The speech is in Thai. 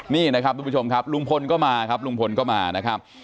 นี่นะครับทุกผู้ชมครับลุงพลก็มาครับลุงพลก็มานะครับ